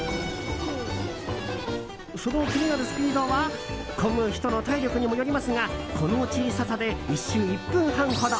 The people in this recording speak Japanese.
その気になるスピードはこぐ人の体力にもよりますがこの小ささで１周１分半ほど。